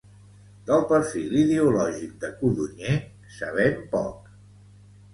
Del perfil ideològic de Codonyer sabem poc.